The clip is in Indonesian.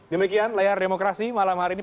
demikian layar demokrasi malam hari ini